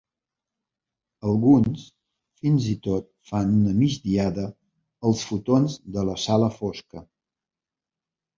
Alguns fins i tot fan una migdiada als futons de la sala fosca.